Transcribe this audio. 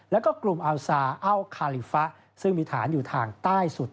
แล้วก็กลุ่มอัลซาอัลคาลิฟะซึ่งมีฐานอยู่ทางใต้สุด